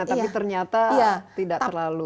tapi ternyata tidak terlalu